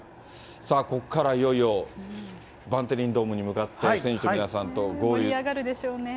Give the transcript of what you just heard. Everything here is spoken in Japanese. さあ、ここから、いよいよバンテリンドームに向かって、選手の皆さんと合流。